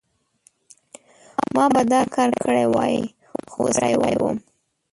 ما به دا کار کړی وای، خو ستړی وم.